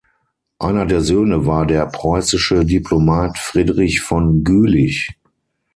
Einer der Söhne war der preußische Diplomat Friedrich von Gülich.